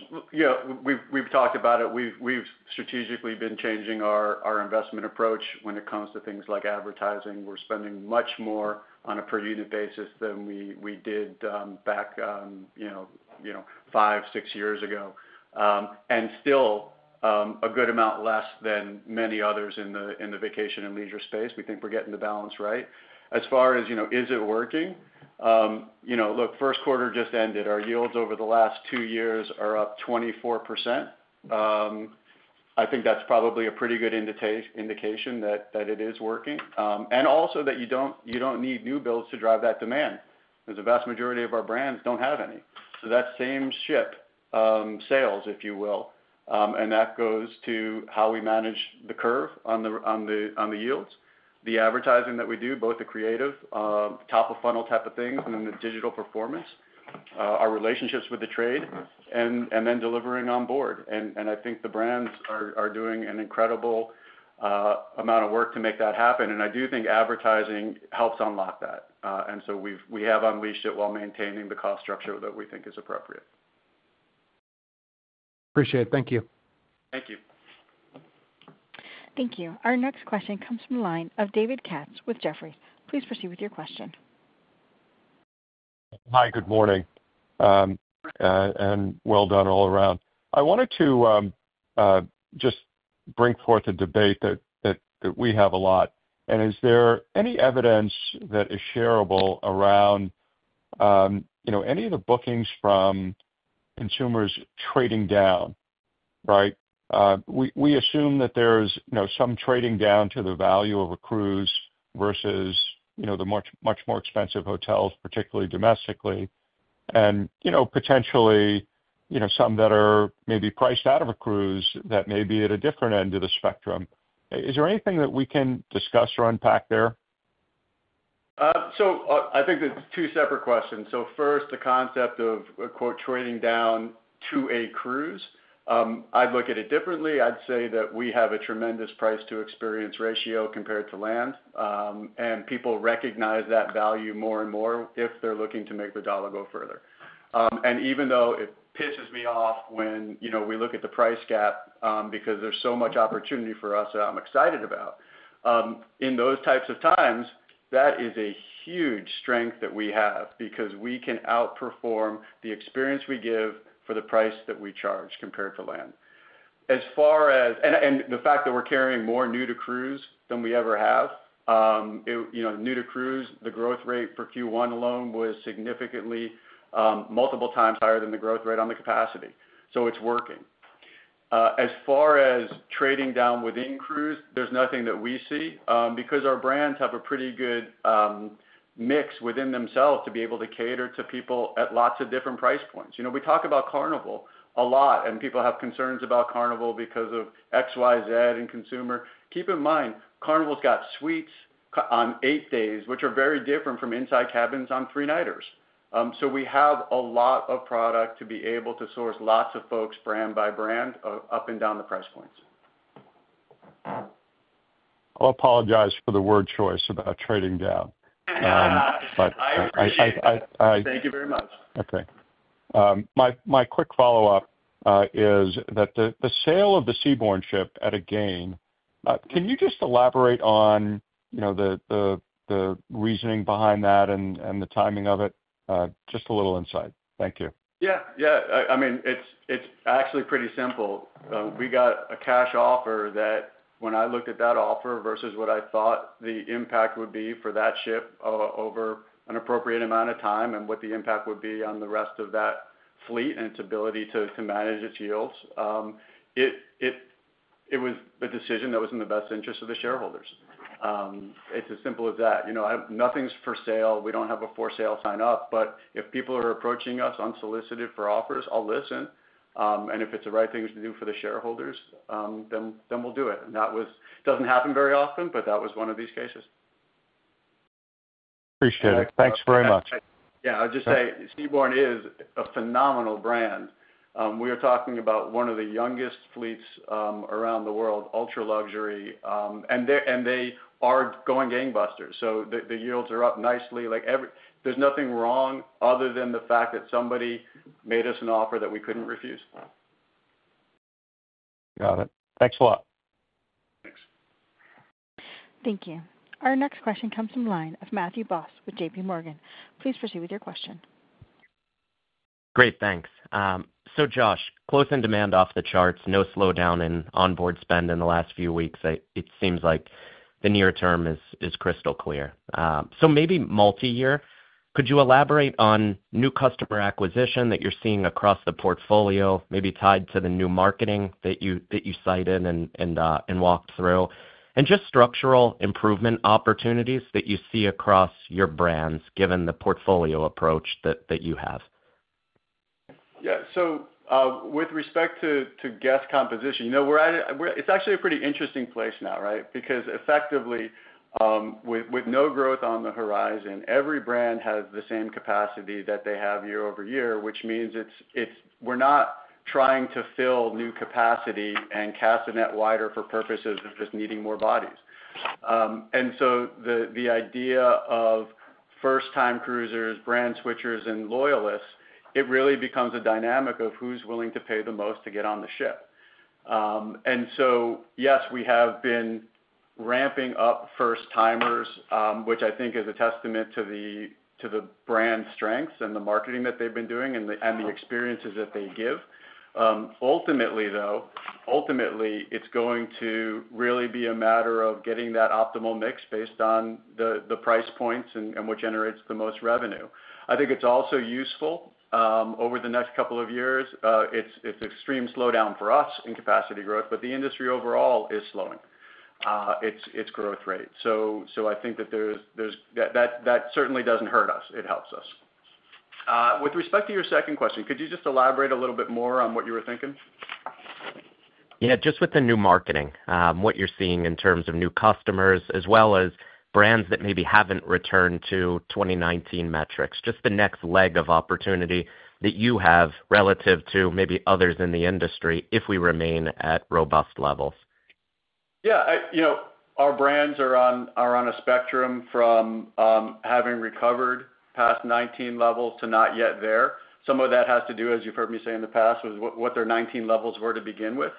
We've talked about it. We've strategically been changing our investment approach when it comes to things like advertising. We're spending much more on a per unit basis than we did back five, six years ago and still a good amount less than many others in the vacation and leisure space. We think we're getting the balance right as far as is it working? Look, first quarter just ended. Our yields over the last two years are up 24%. I think that's probably a pretty good indication that it is working and also that you don't need new builds to drive that demand because the vast majority of our brands don't have any. That same ship sales if you will. That goes to how we manage the curve on the yields, the advertising that we do, both the creative top of funnel type of things and then the digital performance, our relationships with the trade and then delivering on board. I think the brands are doing an incredible amount of work to make that happen and I do think advertising helps unlock that and we have unleashed it while maintaining the cost structure that we think is appropriate. Appreciate it. Thank you. Thank you. Thank you. Our next question comes from the line of David Katz with Jefferies. Please proceed with your question. Hi, good morning and well done all around. I wanted to just bring forth a debate that we have a lot and is there any evidence that is shareable around any of the bookings from consumers? Trading down? We assume that there is some trading down to the value of a cruise versus the much more expensive hotels, particularly domestically and potentially some that are maybe priced out of a cruise that may be at a different end of the spectrum. Is there anything that we can discuss or unpack there? I think there's two separate questions. First, the concept of trading down to a cruise. I'd look at it differently. I'd say that we have a tremendous price to experience ratio compared to land and people recognize that value more and more if they're looking to make the dollar go further. Even though it pisses me off when we look at the price gap because there's so much opportunity for us that I'm excited about in those types of times. That is a huge strength that we have because we can outperform the experience we give for the price that we charge compared to land. As far as the fact that we're carrying more new to cruise than we ever have, new to cruise, the growth rate for Q1 alone was significantly multiple times higher than the growth rate on the capacity. It's working. As far as trading down within cruise, there's nothing that we see because our brands have a pretty good mix within themselves to be able to cater to people at lots of different price points. We talk about Carnival a lot and people have concerns about Carnival because of XYZ and consumer. Keep in mind Carnival's got suites on eight days which are very different from inside cabins on three nighters. So we have a lot of product to be able to source. Lots of folks brand by brand, up and down the price points. I apologize for the word choice about trading down. I appreciate that. Thank you very much. My quick follow up is that the sale of the Seabourn ship at a gain. Can you just elaborate on the reasoning behind that and the timing of it? Just a little insight. Thank you. Yeah, I mean it's actually pretty simple. We got a cash offer that when I looked at that offer versus what I thought the impact would be for that ship over an appropriate amount of time and what the impact would be on the rest of that fleet and its ability to manage its yields, it was a decision that was in the best interest of the shareholders. It's as simple as that. Nothing's for sale. We don't have a for sale sign up. If people are approaching us unsolicited for offers, I'll listen. If it's the right thing to do for the shareholders, then we'll do it. That was. Doesn't happen very often, but that was one of these cases. Appreciate it. Thanks very much. Yeah, I'll just say Seabourn is a phenomenal brand. We are talking about one of the youngest fleets around the world, ultra luxury and they are going gangbusters. The yields are up nicely. There's nothing wrong other than the fact that somebody made us an offer that we couldn't refuse. Got it. Thanks a lot. Thanks. Thank you. Our next question comes from the line of Matthew Boss with JPMorgan. Please proceed with your question. Great, thanks. So, Josh, close-in demand, off the charts. No slowdown in onboard spend in the last few weeks. It seems like the near term is crystal clear. Maybe multi year. Could you elaborate on new customer acquisition that you're seeing across the portfolio? Maybe tied to the new marketing that you cited and walked through and just structural improvement opportunities that you see across your brands given the portfolio approach that you have. Yeah. With respect to guest composition, it's actually a pretty interesting place now. Right. Because effectively with no growth on the horizon, every brand has the same capacity that they have year over year, which means we're not trying to fill new capacity and cast a net wider for purposes of just needing more bodies. The idea of first time cruisers, brand switchers and loyalists really becomes a dynamic of who's willing to pay the most to get on the ship. Yes, we have been ramping up first timers, which I think is a testament to the brand strengths and the marketing that they've been doing and the experiences that they give. Ultimately, though, it's going to really be a matter of getting that optimal mix based on the price points and what generates the most revenue. I think it's also useful over the next couple of years. It's extreme slowdown for us in capacity growth, but the industry overall is slowing its growth rate. I think that certainly doesn't hurt us. It helps us. With respect to your second question, could you just elaborate a little bit more on what you were thinking? Yeah. Just with the new marketing, what you're seeing in terms of new customers as well as brands that maybe haven't returned to 2019 metrics, just the next leg of opportunity that you have relative to maybe others in the industry if we remain at robust levels. Yeah. Our brands are on a spectrum from having recovered past 2019 levels to not yet there. Some of that has to do, as you've heard me say in the past, with what their 2019 levels were to begin with.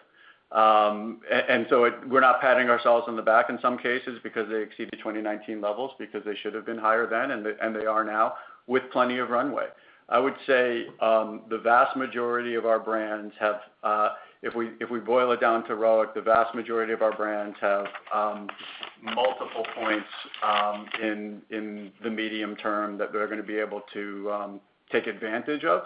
We are not patting ourselves on the back in some cases because they exceeded 2019 levels because they should have been higher then and they are now with plenty of runway, I would say. The vast majority of our brands have, if we boil it down to ROIC, the vast majority of our brands have multiple points in the medium term that they're going to be able to take advantage of.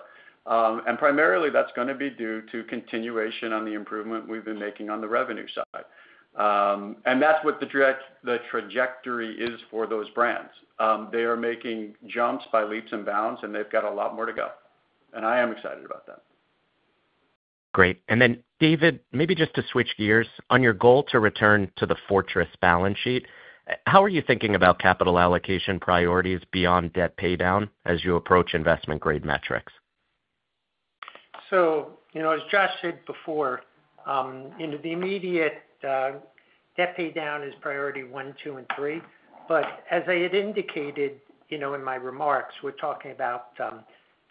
Primarily that's going to be due to continuation on the improvement we've been making on the revenue side. That's what the trajectory is for those brands. They are making jumps by leaps and bounds and they've got a lot more to go. I am excited about that. Great. David, maybe just to switch gears on your goal to return to the fortress balance sheet, how are you thinking about capital allocation priorities beyond debt paydown as you approach investment grade metrics? You know, as Josh said before, the immediate debt paydown is priority one, two and three. As I had indicated in my remarks, we're talking about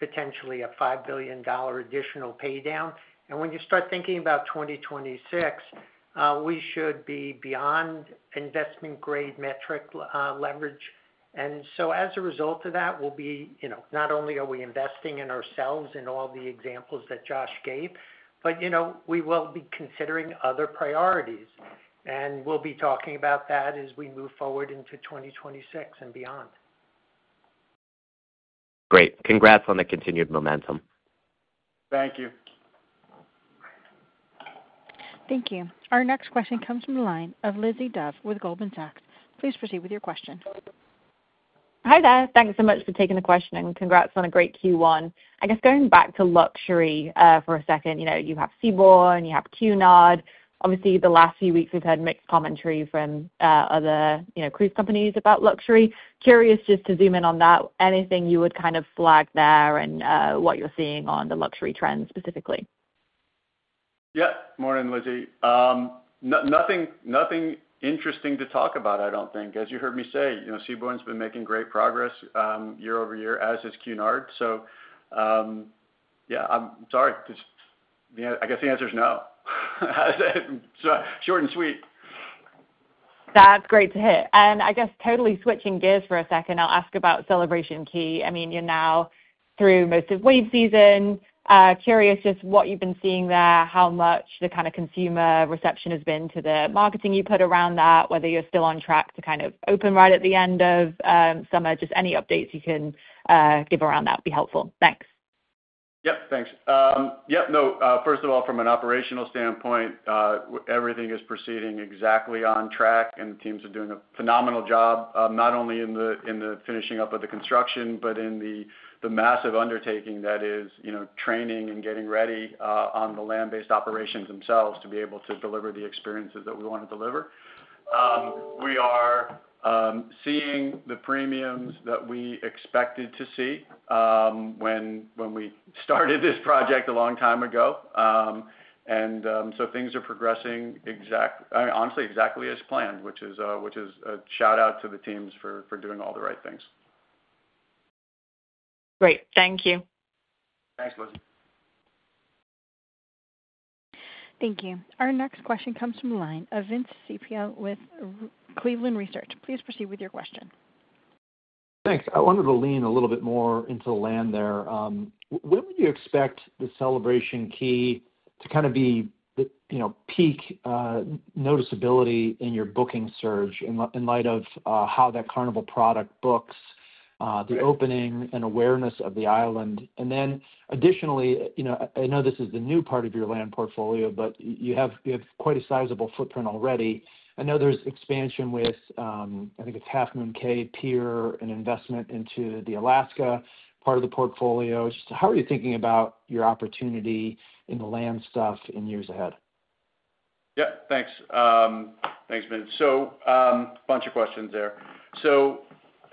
potentially a $5 billion additional paydown. When you start thinking about 2026, we should be beyond investment grade metric leverage. As a result of that, we'll be, you know, not only are we investing in ourselves and all the examples that Josh gave, but, you know, we will be considering other priorities and we'll be talking about that as we move forward into 2026 beyond. Great. Congrats on the continued momentum. Thank you. Thank you. Our next question comes from the line of Elizabeth Dove with Goldman Sachs. Please proceed with your question. Hi there. Thanks so much for taking the question and congrats on a great Q1. I guess going back to luxury for a second. You have Seabourn, you have Cunard, obviously the last few weeks we've had mixed commentary from other cruise companies about luxury. Curious just to zoom on that. Anything you would kind of flag there and what you're seeing on the luxury trend specifically. Yeah. Morning Lizzie. Nothing interesting to talk about I don't think. As you heard me say, Seabourn has been making great progress year over year, as is Cunard. Yeah, I'm sorry, I guess the answer is no. Short and Sweet. That's great to hear and I guess totally switching gears for a second. I'll ask about Celebration Key. I mean you're now through most of wave season curious just what you've been seeing there, how much the kind of consumer reception has been to the marketing you put around that whether you're still on track to kind of open right at the end of summer. Just any updates you can give around that would be helpful. Thanks. Yep, thanks. Yeah, no, first of all, from an operational standpoint, everything is proceeding exactly on track and the teams are doing a phenomenal job not only in the finishing up of the construction, but in the massive undertaking that is training and getting ready on the land based operations themselves to be able to deliver the experiences that we want to deliver. We are seeing the premiums that we expected to see when we started this project a long time ago. Things are progressing exactly, honestly exactly as planned. Which is a shout out to the teams for doing all the right things. Great, thank you. Thanks. Lizzie. Thank you. Our next question comes from the line of Vince Ciepiel with Cleveland Research. Please proceed with your question. Thanks. I wanted to lean a little bit more into the land there. When would you expect the Celebration Key to kind of be peak noticeability in your booking surge in light of how that Carnival product books the opening and awareness of the island? Additionally, I know this is the new part of your land portfolio, but you have quite a sizable footprint already. I know there's expansion with I Think it's Half Moon Cay Pier and investment into the Alaska part of the portfolio. How are you thinking about your opportunity in the land stuff in years ahead? Yeah, thanks. Thanks Vince. So bunch of questions there.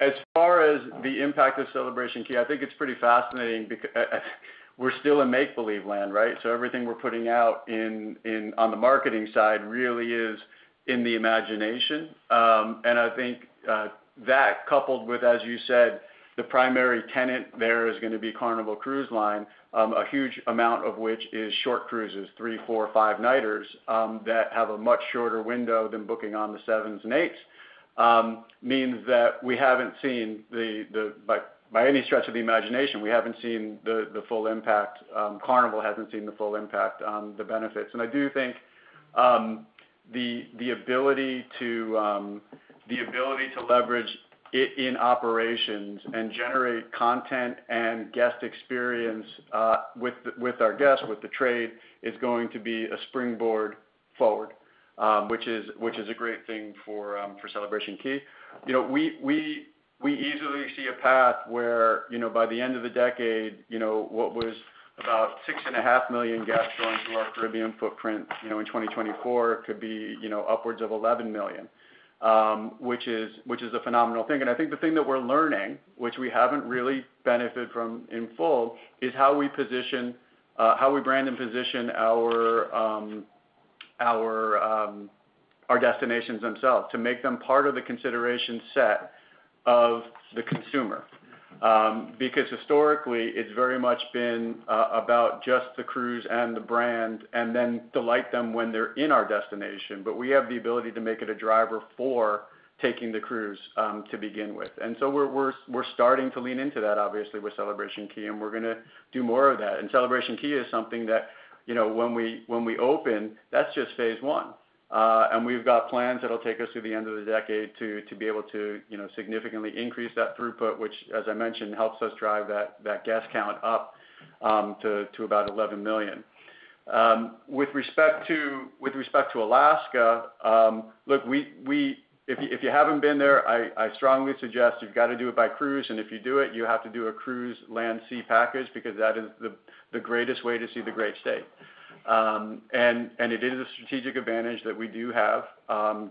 As far as the impact of Celebration Key, I think it's pretty fascinating. We're still in make believe land, right? Everything we're putting out on the marketing side really is in the imagination. I think that coupled with, as you said, the primary tenant there is going to be Carnival Cruise Line, a huge amount of which is short cruises, three, four, five nighters that have a much shorter window than booking on the sevens and eights means that we haven't seen by any stretch of the imagination, we haven't seen the full impact, Carnival hasn't seen the full impact on the benefits. I do think. The ability to leverage it in operations and generate content and guest experience with our guests with the trade is going to be a springboard forward, which is a great thing. For Celebration Key, we easily see a path where by the end of the decade what was about 6.5 million guests going through our Caribbean footprint in 2024 could be upwards of 11 million, which is a phenomenal thing. I think the thing that we're learning, which we haven't really benefited from in full, is how we position, how we brand and position our destinations themselves to make them part of the consideration set of the consumer. Because historically it's very much been about just the cruise and the brand and then delight them when they're in our destination. We have the ability to make it a driver for taking the cruise to begin with. We're starting to lean into that obviously with Celebration Key and we're going to do more of that. Celebration Key is something that when we open, that's just phase one. We've got plans that will take us through the end of the decade to be able to significantly increase that throughput, which as I mentioned helps us drive that guest count up to about 11 million. With respect to Alaska, look, if you haven't been there, I strongly suggest you've got to do it by cruise. If you do it, you have to do a cruise land sea package because that is the greatest way to see the great state. It is a strong strategic advantage that we do have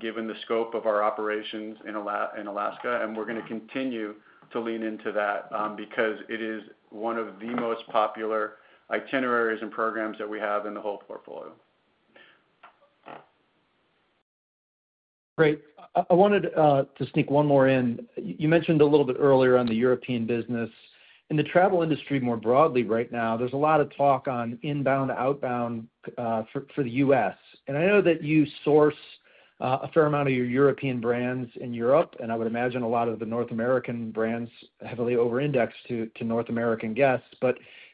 given the scope of our operations in Alaska. We're going to continue to lean into that because it is one of the most popular itineraries and programs that we have in the whole portfolio. Great. I wanted to sneak one more in. You mentioned a little bit earlier on the European business in the travel industry more broadly. Right now there's a lot of talk on inbound outbound for the U.S. I know that you source a fair amount of your European brands in Europe and I would imagine a lot of the North American brands heavily over indexed to North American guests.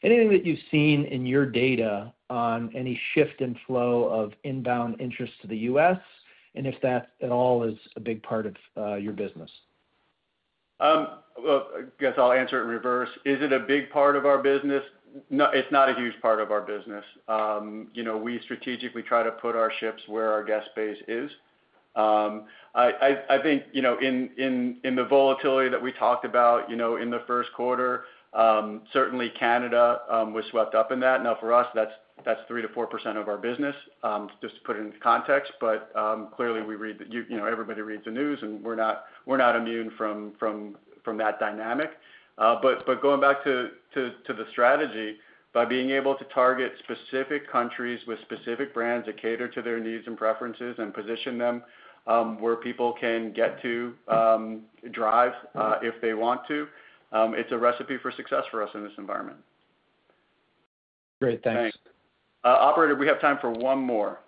Anything that you've seen in your data on any shift in flow of inbound interest to the U.S. and if that at all is a big part of your business. I guess I'll answer it in reverse. Is it a big part of our business? No, it's not a huge part of our business. You know, we strategically try to put our ships where our guest base is. I think, you know, in the volatility that we talked about, you know, in the first quarter, certainly Canada was swept up in that. Now for us, that's 3-4% of our business, just to put it into context. But clearly we read, you know, everybody reads the news and we're not immune from, from that dynamic. Going back to the strategy, by being able to target specific countries with specific brands that cater to their needs and preferences and position them where people can get to drive if they want to, it's a recipe for success for us in this environment. Great. Thanks Operator. We have time for one more.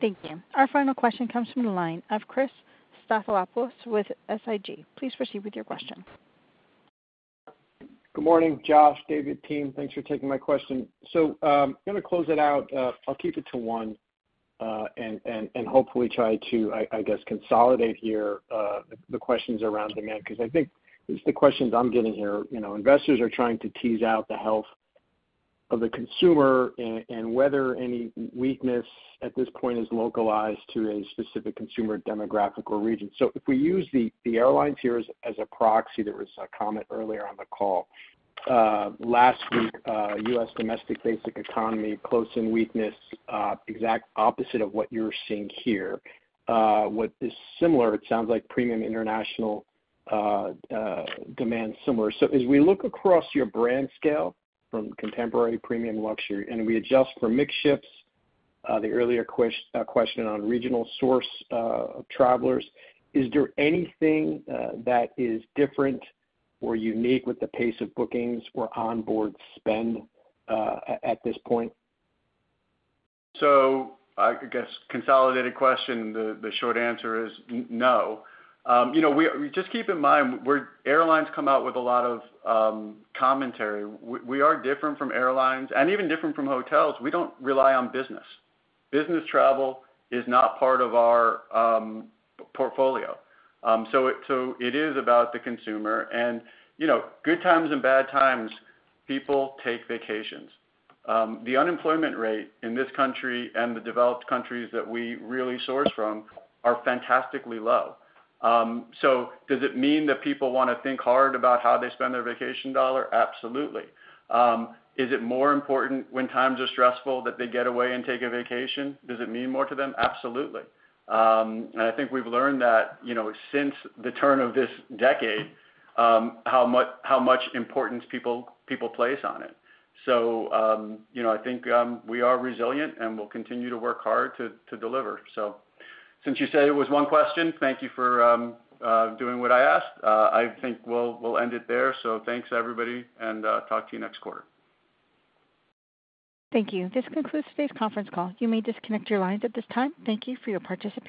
Thank you. Our final question comes from the line of Christopher Stathoulopoulos with SIG. Please proceed with your question. Good morning, Josh, David team. Thanks for taking my question. I'm going to close it out. I'll keep it to one and hopefully try to, I guess, consolidate here the questions around demand because I think the questions I'm getting here, you know, investors are trying to tease out the health of the consumer and whether any weakness at this point is localized to a specific consumer demographic or region. If we use the here as a proxy. There was a comment earlier on the call last week, U.S. domestic basic economy close in weakness, exact opposite of what you're seeing here. What is similar? It sounds like premium, international demand similar. As we look across your brand scale from contemporary, premium, luxury, and we adjust for mix shifts, the earlier question on regional source of travelers, is there anything that is different or unique with the pace of bookings or onboard spend at this point? I guess consolidated question. The short answer is no. You know, just keep in mind, airlines come out with a lot of commentary. We are different from airlines and even different from hotels. We do not rely on business. Business travel is not part of our portfolio. It is about the consumer and, you know, good times and bad times, people take vacations. The unemployment rate in this country and the developed countries that we really source from are fantastically low. Does it mean that people want to think hard about how they spend their vacation dollar? Absolutely. Is it more important when times are stressful that they get away and take a vacation? Does it mean more to them? Absolutely. I think we've learned that since the turn of this decade, how much importance people place on it. I think we are resilient and we'll continue to work hard to deliver. Since you said it was one question, thank you for doing what I asked. I think we'll end it there. Thanks, everybody, and talk to you next quarter. Thank you. This concludes today's conference call. You may disconnect your lines at this time. Thank you for your participation.